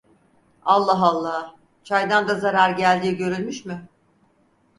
Allah Allah… Çaydan da zarar geldiği görülmüş mü?